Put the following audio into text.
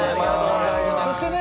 そしてね